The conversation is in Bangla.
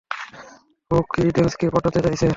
ও কেইডেন্সকে পটাতে চাইছে।